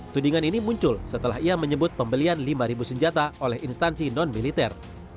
tudingan ini muncul setelah ia menyebut pembelian lima senjata oleh instansi non militer